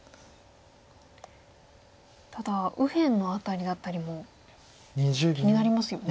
ただ右辺の辺りだったりも気になりますよね。